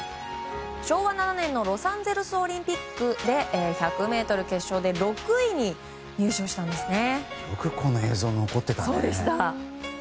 昭和７年のロサンゼルスオリンピックで１００ｍ決勝でよく映像残っていたね。